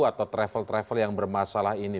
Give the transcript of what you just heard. atau travel travel yang bermasalah ini